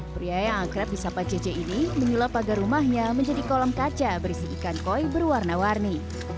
pria yang akrab di sapa cc ini menyulap pagar rumahnya menjadi kolam kaca berisi ikan koi berwarna warni